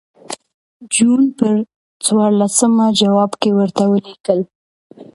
جون پر څوارلسمه جواب کې ورته ولیکل.